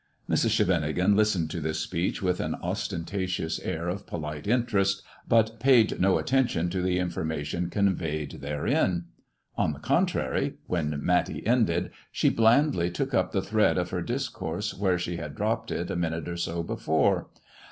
Mrs. Scheveningen listened to this speech with an ostentatious air of polite interest, but paid no attention to the information conveyed therein. On the contrary, when Matty ended, she blandly took up the thread of her discourse where she had dropped it a minute or so before.